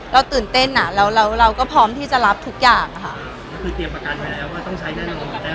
ตื่นเต้นอ่ะเราเราเราก็พร้อมที่จะรับทุกอย่างค่ะก็คือเตรียมประกันไว้แล้วว่าต้องใช้แน่นอน